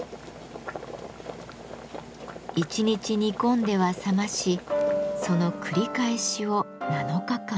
１日煮込んでは冷ましその繰り返しを７日間。